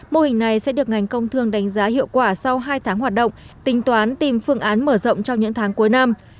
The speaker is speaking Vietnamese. mô hình này sẽ được ngành công thương đánh giá hiệu quả sau hai tháng hoạt động tính toán tìm phương án mở rộng trong những tháng cuối năm